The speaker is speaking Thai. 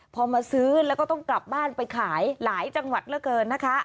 พอมาซื้อแล้วก็ต้องกลับบ้านไปขายหลายจังหวัดเหลือเกินนะคะ